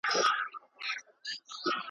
تا يو څو شېبې زما سات دئ راتېر كړى.